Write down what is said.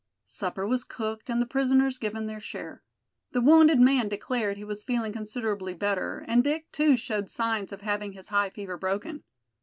Supper was cooked, and the prisoners given their share. The wounded man declared he was feeling considerably better; and Dick too showed signs of having his high fever broken.